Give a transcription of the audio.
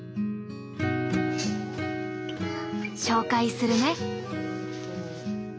紹介するね。